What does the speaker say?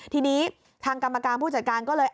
ทีนี้ทางกรรมการผู้จัดการก็เลย